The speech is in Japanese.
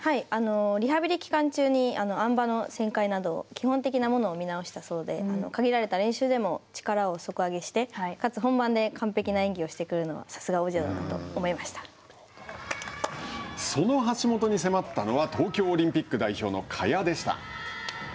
リハビリ期間中にあん馬の旋回などを、基本的なものを見直したそうで、限られた練習でも底上げして、かつ本番で完璧な演技をしてくるのは、その橋本に迫ったのは、東京オリンピック代表の萱でした。